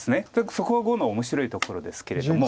そこが碁の面白いところですけれども。